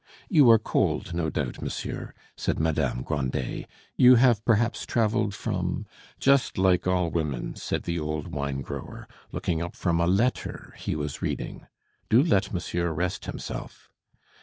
"You are cold, no doubt, monsieur," said Madame Grandet; "you have, perhaps, travelled from " "Just like all women!" said the old wine grower, looking up from a letter he was reading. "Do let monsieur rest himself!"